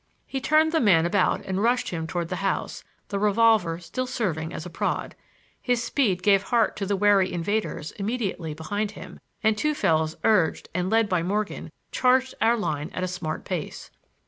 He turned the man about and rushed him toward the house, the revolver still serving as a prod. His speed gave heart to the wary invaders immediately behind him and two fellows urged and led by Morgan charged our line at a smart pace.